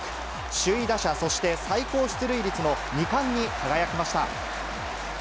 首位打者、そして最高出塁率の２冠に輝きました。